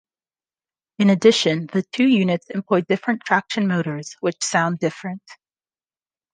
In addition, the two units employ different traction motors, which sound different.